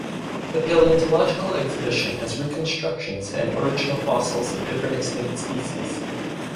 The paleontological exhibition has reconstructions and original fossils of different extinct species.